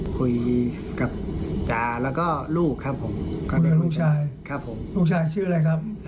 คุยกับจาแล้วก็ลูกครับผมก็เป็นลูกชายครับผมลูกชายชื่ออะไรครับ